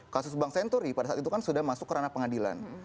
kasus bank senturi pada saat itu kan sudah masuk ke ranah pengadilan